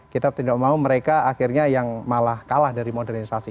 kita tidak mau mereka akhirnya yang malah kalah dari modernisasi